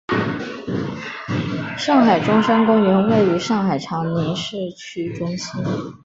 上海中山公园位于上海长宁区市中心。